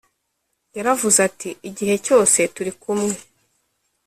yaravuze ati igihe cyose turikumwe